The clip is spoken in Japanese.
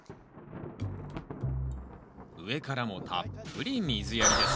上からもたっぷり水やりです。